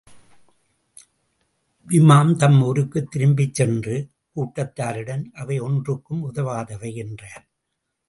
லிமாம் தம் ஊருக்குத் திரும்பிச் சென்று, கூட்டத்தாரிடம் அவை ஒன்றுக்கும் உதவாதவை என்றார்.